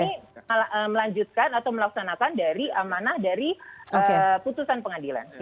dan kami akan melanjutkan atau melaksanakan dari amanah dari putusan pengadilan